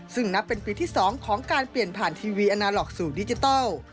ซึ่งนับเป็นปีที่๒ของการเปลี่ยนผ่านทีวีอนาล็อกสู่ดิจิทัล